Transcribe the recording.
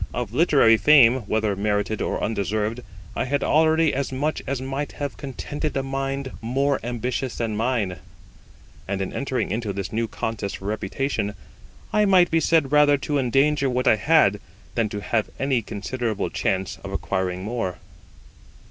Of literary fame, whether merited or undeserved, I had already as much as might have contented a mind more ambitious than mine; and in entering into this new contest for reputation I might be said rather to endanger what I had than to have any considerable chance of acquiring more.